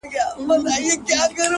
بل څوک خو بې خوښ سوی نه وي’